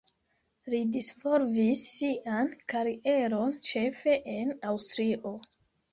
Li disvolvis sian karieron ĉefe en Aŭstrio.